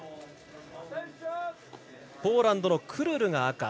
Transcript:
ポーランドのクルルが赤。